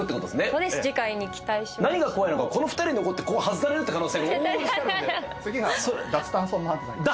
何が怖いのかこの２人残ってここ外されるって可能性が往々にしてあるんで。